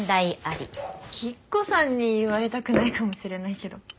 吉子さんに言われたくないかもしれないけど。